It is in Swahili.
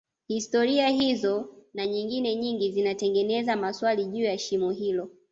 historia hizo na nyingine nyingi zinatengeza maswali juu ya shimo hilo